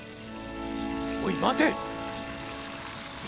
おい待て！